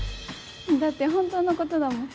だって本当のことだもん。